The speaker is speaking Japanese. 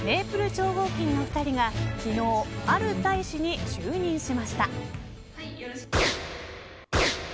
超合金の２人が昨日、ある大使に就任しました。